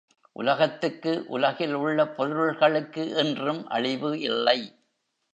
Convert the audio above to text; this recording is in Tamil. உலகத்துக்கு உலகில் உள்ள பொருள்களுக்கு என்றும் அழிவு இல்லை.